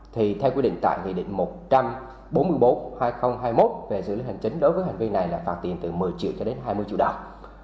thì theo quy định tại nghị định một trăm bốn mươi bốn hai nghìn hai mươi một về xử lý hành chính đối với hành vi này là phạt tiền từ một mươi triệu cho đến hai mươi triệu đồng